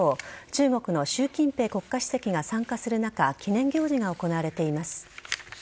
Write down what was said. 中国の習近平国家主席が参加する中記念行事が行われています。